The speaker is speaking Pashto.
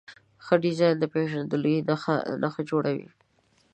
ښه ډیزاین د پېژندګلوۍ نښه جوړوي.